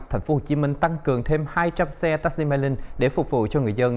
tp hcm tăng cường thêm hai trăm linh xe taxi melon để phục vụ cho người dân